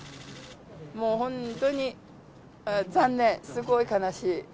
もう本当に残念、すごい悲しい。